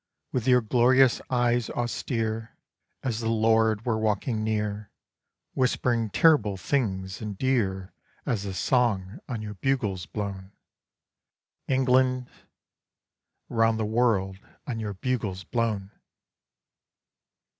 With your glorious eyes austere, As the Lord were walking near, Whispering terrible things and dear As the Song on your bugles blown, England Round the world on your bugles blown!